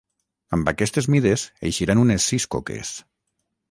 Amb aquestes mides eixiran unes sis coques.